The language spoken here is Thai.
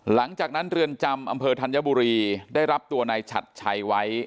หลังจากนั้นเรือนจำอำเภอธัญบุรีได้รับตัวนายฉัดชัยไว้